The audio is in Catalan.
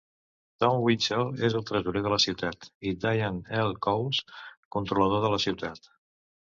Tom Winchell és el tresorer de la ciutat i Diane L. Cowles controlador de la ciutat.